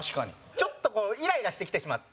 ちょっとイライラしてきてしまって。